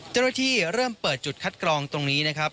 เจ้าหน้าที่เริ่มเปิดจุดคัดกรองตรงนี้นะครับ